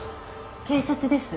警察です。